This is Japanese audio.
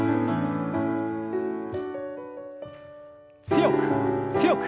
強く強く。